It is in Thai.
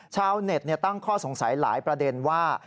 ชาวเน็ตตั้งข้อสงสัยหลายประเด็นว่า